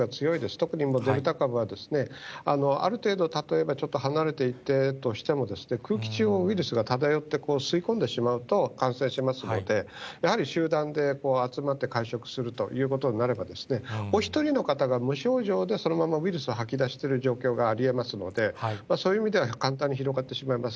特にデルタ株は、ある程度、例えばちょっと離れていたとしても、空気中をウイルスが漂って、吸い込んでしまうと感染しますので、やはり集団で集まって会食するということになれば、お１人の方が無症状で、そのままウイルスを吐き出してる状況がありえますので、そういう意味では簡単に広がってしまいます。